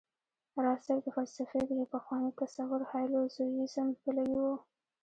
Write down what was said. راز صيب د فلسفې د يو پخواني تصور هايلو زوييزم پلوی و